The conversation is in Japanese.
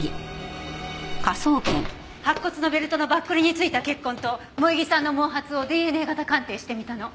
白骨のベルトのバックルに付いた血痕と萌衣さんの毛髪をＤＮＡ型鑑定してみたの。